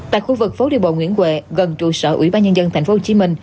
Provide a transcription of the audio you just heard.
tại khu vực phố đi bộ nguyễn huệ gần trụ sở ủy ban nhân dân tp hcm